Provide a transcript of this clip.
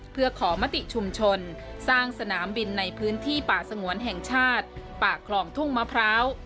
เพื่อขอมติชุมชนสร้างสนามบินในพื้นที่ป่าสงวนแห่งชาติป่าคลองทุ่งมะพร้าว